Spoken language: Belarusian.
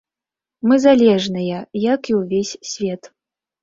Мы залежныя, як і ўвесь свет.